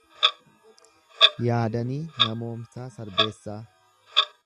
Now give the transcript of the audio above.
Yaadanii Namomsaa Sarbeessaa